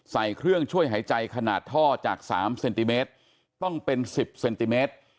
ใส่เครื่องช่วยหายใจขนาดท่อจาก๓เซนติเมตรต้องเป็น๑๐เซนติเมตร